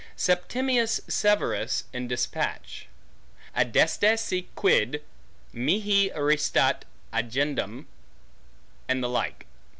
Septimius Severus in despatch; Adeste si quid mihi restat agendum. And the like.